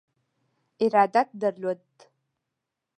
ارادت درلود.